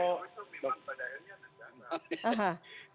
karena itu memang pada akhirnya negara